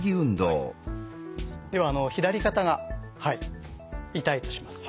では左肩が痛いとします。